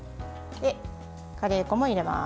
カレー粉も入れます。